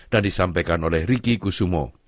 dan disampaikan oleh riki kusumo